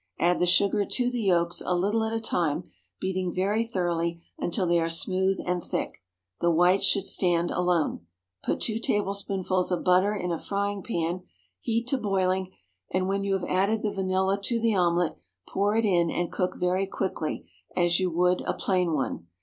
Add the sugar to the yolks, a little at a time, beating very thoroughly, until they are smooth and thick. The whites should stand alone. Put two tablespoonfuls of butter in a frying pan, heat to boiling, and when you have added the vanilla to the omelette, pour it in and cook very quickly, as you would a plain one.